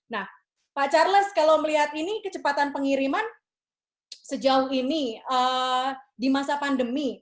nah pak charles kalau melihat ini kecepatan pengiriman sejauh ini di masa pandemi